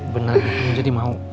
bener jadi mau